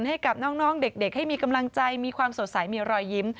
ให้กับน้องเด็กให้มีกำลังใจมีความสดใสมีรอยยิ้ม